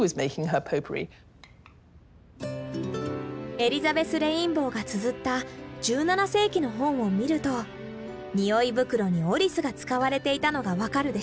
エリザベス・レインボーがつづった１７世紀の本を見ると匂い袋にオリスが使われていたのが分かるでしょう。